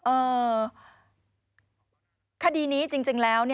เอ่อคดีนี้จริงแล้ว